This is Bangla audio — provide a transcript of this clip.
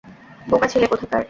বোকা ছেলে কোথাকার।